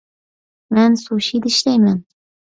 مەن سۇشىدا ئىشلەيمەن